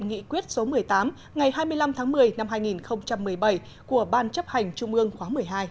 nghị quyết số một mươi tám ngày hai mươi năm tháng một mươi năm hai nghìn một mươi bảy của ban chấp hành trung ương khóa một mươi hai